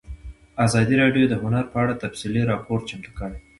ازادي راډیو د هنر په اړه تفصیلي راپور چمتو کړی.